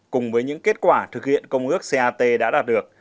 cùng với những kết quả thực hiện công ước cat đã đạt được